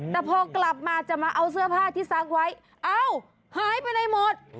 แต่พอกลับมาจะมาเอาเสื้อผ้าที่ซักไว้เอ้าหายไปไหนหมด